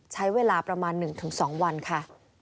ใช้เวลาประมาณ๑๒วันค่ะ